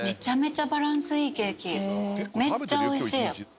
めっちゃおいしい。